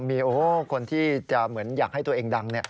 มีคนที่จะเหมือนอยากให้ตัวเองดัง